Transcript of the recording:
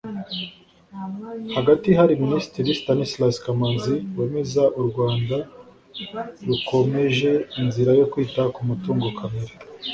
Hagati hari Minisitiri Stanislas Kamanzi wemeza u Rwanda rukomeje inzira yo kwita ku mutungo kamere